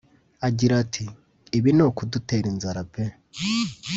Agira ati “Ibi ni ukudutera inzara pe